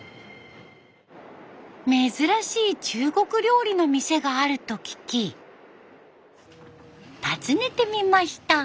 珍しい中国料理の店があると聞き訪ねてみました。